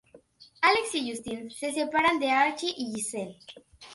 Alex y Justin se separan de Archie y Giselle.